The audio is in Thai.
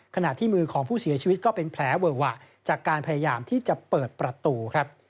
ขณะที่มือของผู้เสียชีวิตก็เป็นแผลเวอะหวะจากการพยายามที่จะเปิดประตูครับ